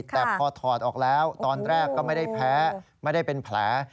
แต่พอถอดออกแล้วตอนแรกก็ไม่ได้แพ้ไม่ได้เป็นแผล